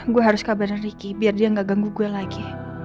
gue harus kabarin ricky biar dia nggak ganggu gue lagi